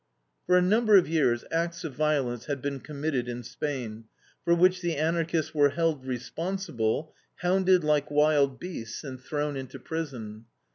For a number of years acts of violence had been committed in Spain, for which the Anarchists were held responsible, hounded like wild beasts, and thrown into prison.